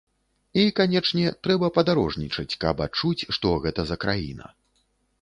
І, канечне, трэба падарожнічаць, каб адчуць, што гэта за краіна.